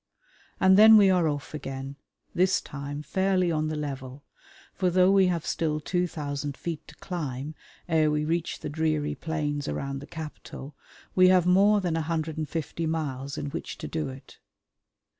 And then we are off again, this time fairly on the level, for though we have still two thousand feet to climb ere we reach the dreary plains around the capital, we have more than 150 miles in which to do it.